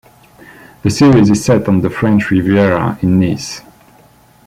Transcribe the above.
The series is set on the French Riviera in Nice.